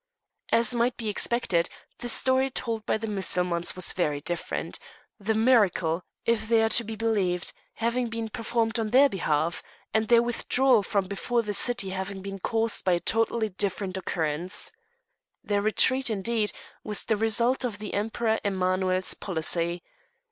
As might be expected, the story told by the Mussulmans was very different, the miracle, if they are to be believed, having been performed on their behalf, and their withdrawal from before the city having been caused by a totally different occurrence. Their retreat, indeed, was the result of the Emperor Emanuel's policy.